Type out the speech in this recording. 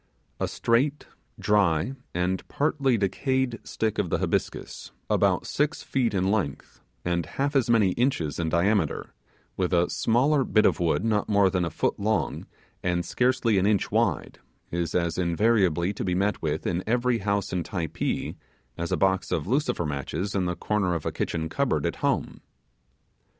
A straight, dry, and partly decayed stick of the Hibiscus, about six feet in length, and half as many inches in diameter, with a small, bit of wood not more than a foot long, and scarcely an inch wide, is as invariably to be met with in every house in Typee as a box of lucifer matches in the corner of a kitchen cupboard at home.